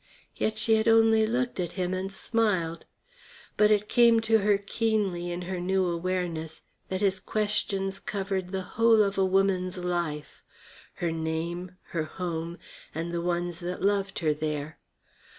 Yet she had only looked at him and smiled. But it came to her keenly in her new awareness that his questions covered the whole of a woman's life: Her name, her home, and the ones that loved her there.